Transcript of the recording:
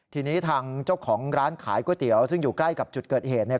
ทีนี้ทางเจ้าของร้านขายก๋วยเตี๋ยวซึ่งอยู่ใกล้กับจุดเกิดเหตุเนี่ย